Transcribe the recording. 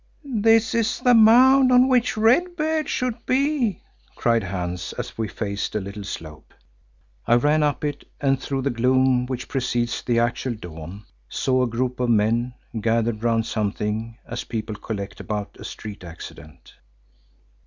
"This is the mound on which Red Beard should be," cried Hans as we faced a little slope. I ran up it and through the gloom which precedes the actual dawn, saw a group of men gathered round something, as people collect about a street accident.